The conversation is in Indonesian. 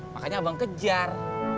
makanya abang kejar